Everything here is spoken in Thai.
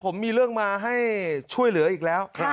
ผมมีเรื่องมาให้ช่วยเหลืออีกแล้ว